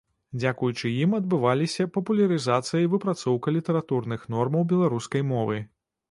Дзякуючы ім адбываліся папулярызацыя і выпрацоўка літаратурных нормаў беларускай мовы.